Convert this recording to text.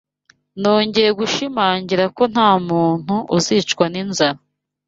nongeye gushimangira ko ntamuntu uzicwa ninzara